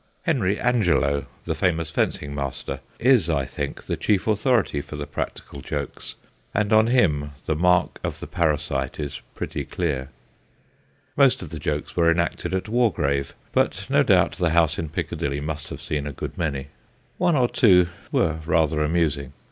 Henry Angelo, the famous fencing master, is, I think, the chief authority for the practical jokes, and on him the mark of the parasite is pretty clear. Most of the jokes were enacted at Wargrave, but no doubt the THE BAKRY FAMILY 143 house in Piccadilly must have seen a good many. One or two were rather amusing.